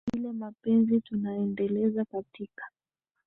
ile mapenzi tunaendeleza katika